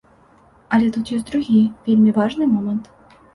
Але тут ёсць другі вельмі важны момант.